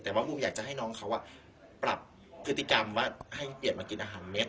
แต่ว่าบูมอยากจะให้น้องเขาปรับพฤติกรรมว่าให้เกียรติมากินอาหารเม็ด